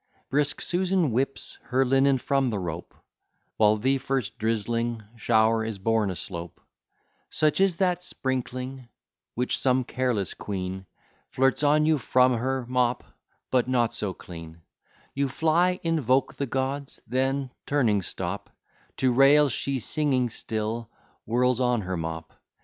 Brisk Susan whips her linen from the rope, While the first drizzling shower is borne aslope; Such is that sprinkling which some careless quean Flirts on you from her mop, but not so clean: You fly, invoke the gods; then, turning, stop To rail; she singing, still whirls on her mop.